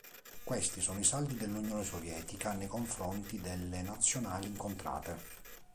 Questi sono i saldi dell'Unione Sovietica nei confronti delle Nazionali incontrate.